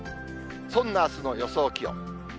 そんなあすの予想気温。